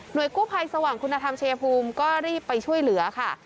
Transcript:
โดยกู้ภัยสว่างคุณธรรมชายภูมิก็รีบไปช่วยเหลือค่ะ